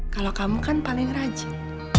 kalau kamu kan paling rajin